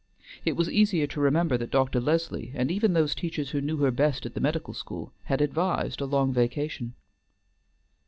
It was easier to remember that Dr. Leslie, and even those teachers who knew her best at the medical school, had advised a long vacation.